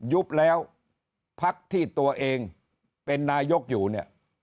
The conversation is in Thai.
ยุบแล้วพักที่ตัวเองเป็นนายกอยู่เนี่ย